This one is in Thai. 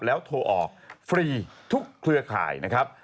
แล้วโทรออกฟรีทุกเครือข่ายนะครับ